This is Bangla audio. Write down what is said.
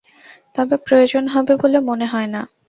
তবে প্রয়োজন হবে বলে মনে হয় না।